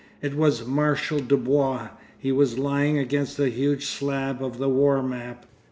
It was Marshal Dubois. He was lying against a huge slab of the war map.